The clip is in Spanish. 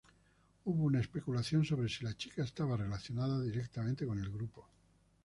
Hubo una especulación sobre si la chica estaba relacionada directamente con el grupo.